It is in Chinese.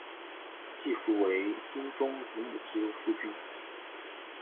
季福为英宗乳母之夫君。